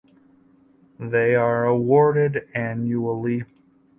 They are awarded annually.